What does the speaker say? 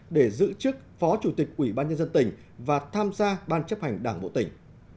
để giữ chức phó chủ tịch ủy ban nhân dân tỉnh và tham gia ban chấp hành đảng bộ tỉnh